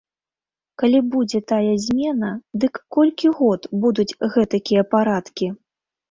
Калі будзе тая змена, дык колькі год будуць гэтакія парадкі?